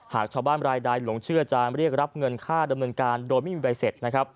หากชาวบ้านรายใดหลงเชื่อจะเรียกรับเงินค่าดำเนินการโดยไม่มีใบเสร็จนะครับ